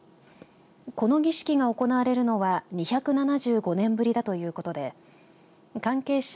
この儀式が行われるのは２７５年ぶりだということで関係者